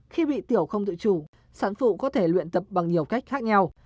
khi bị tiểu không tự chủ sản phụ có thể luyện tập bằng nhiều cách khác nhau